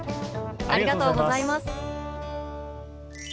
ありがとうございます。